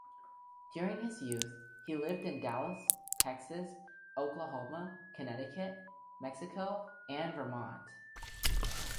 During his youth he lived in Dallas, Texas, Oklahoma, Connecticut, Mexico and Vermont.